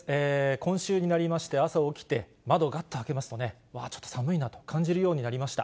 今週になりまして、朝起きて、窓、がっと開けますとね、ちょっと寒いなと感じるようになりました。